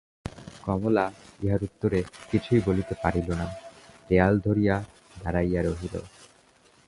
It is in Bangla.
কমলা ইহার উত্তরে কিছুই বলিতে পারিল না, দেওয়াল ধরিয়া দাঁড়াইয়া রহিল।